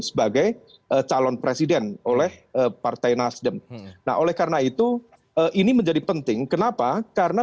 sebagai calon presiden oleh partai nasdem nah oleh karena itu ini menjadi penting kenapa karena